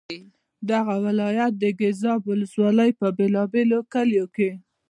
د دغه ولایت د ګیزاب ولسوالۍ په بېلا بېلو کلیو کې.